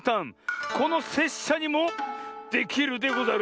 このせっしゃにもできるでござる。